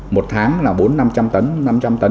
một tháng là bốn trăm linh năm trăm linh tấn năm trăm linh tấn